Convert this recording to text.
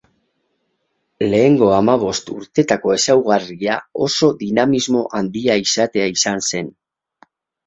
Lehenengo hamabost urteetako ezaugarria oso dinamismo handia izatea izan zen.